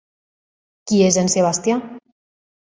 Qui és en Sebastià?